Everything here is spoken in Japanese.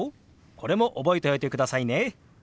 これも覚えておいてくださいね。